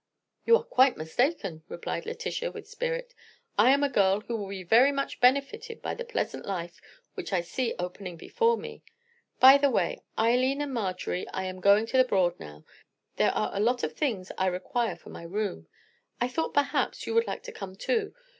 "You are quite mistaken," replied Letitia with spirit. "I am a girl who will be very much benefited by the pleasant life which I see opening before me. By the way, Eileen and Marjory, I am going to the Broad now. There are a lot of things I require for my room. I thought perhaps you would like to come too.